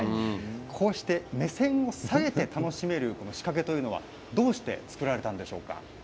こうして目線を下げて楽しめる仕掛けというのはどうして作られたんでしょうか。